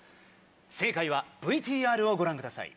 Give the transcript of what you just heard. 正解はＶＴＲをご覧ください。